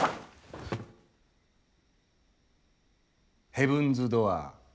ヘブンズ・ドアー。